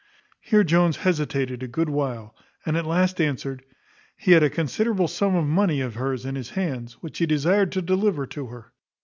Here Jones hesitated a good while, and at last answered, "He had a considerable sum of money of hers in his hands, which he desired to deliver to her."